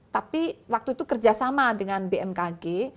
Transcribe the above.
tapi waktu itu kerjasama dengan bmkg